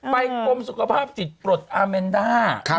ไปกลมสุขภาพจิตอบอาเมนด้า